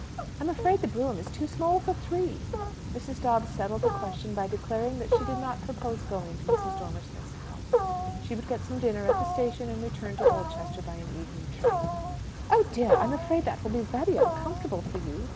I'm afraid the brougham is too small for three." Mrs. Dobbs settled the question by declaring that she did not purpose going to Mrs. Dormer Smith's house. She would get some dinner at the station, and return to Oldchester by an evening train. "Oh dear, I'm afraid that will be very uncomfortable for you!"